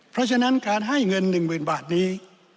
เพราะฉะนั้นการให้เงิน๑๐๐๐บาทนี้